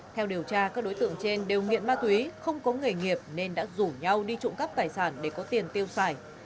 theo điều tra các đối tượng trên đều nghiện ma túy không có nghề nghiệp nên đã rủ nhau đi trộm cắp tài sản để có tiền tiêu xài